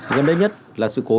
gần đây nhất là sự cố